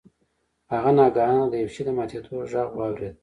هغه ناگهانه د یو شي د ماتیدو غږ واورید.